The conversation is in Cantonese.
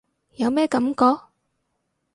有咩感覺？